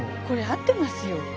これ合ってますよ。